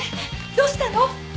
どうしたの？